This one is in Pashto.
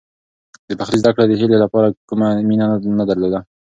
د پخلي زده کړه د هیلې لپاره کومه مینه نه درلوده.